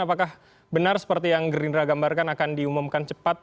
apakah benar seperti yang gerindra gambarkan akan diumumkan cepat